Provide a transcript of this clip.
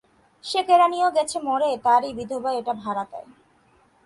সে কেরানিও গেছে মরে, তারই বিধবা এটা ভাড়া দেয়।